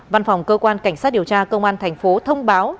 văn phòng cơ quan cảnh sát điều tra công an tp thông báo